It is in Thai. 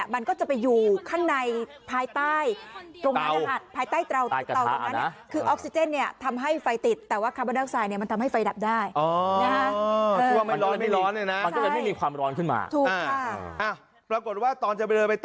มันก็จะไปอยู่ข้างในภายใต้